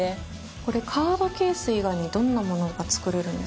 これカードケース以外にどんな物が作れるんですか？